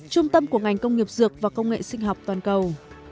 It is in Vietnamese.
trung tâm của ngành công nghiệp dược và công nghệ sinh học toàn cầu